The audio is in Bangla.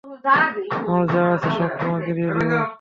আমার যা আছে সব তোমাকে দিয়ে দিবো।